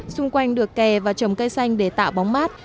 xung quanh được kè và trồng cây xanh để tạo bóng mát